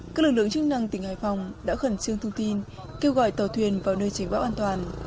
các lực lượng chức năng tỉnh hải phòng đã khẩn trương thông tin kêu gọi tàu thuyền vào nơi tránh bão an toàn